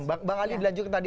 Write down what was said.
bang ali dilanjutkan tadi